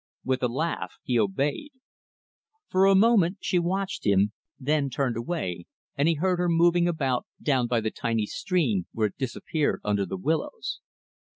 With a laugh, he obeyed. For a moment, she watched him; then turned away; and he heard her moving about, down by the tiny stream, where it disappeared under the willows.